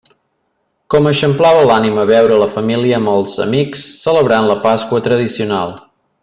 Com eixamplava l'ànima veure la família amb els amics celebrant la Pasqua tradicional!